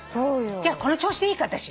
じゃあこの調子でいいか私。